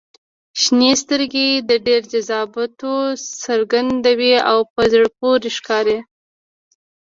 • شنې سترګې د ډېر جذباتو څرګندوي او په زړه پورې ښکاري.